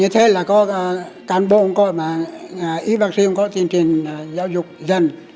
như thế là có cán bộ không có mà y vắc xin không có tiền trình giáo dục dân